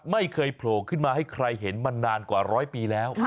โผล่ขึ้นมาให้ใครเห็นมานานกว่าร้อยปีแล้ว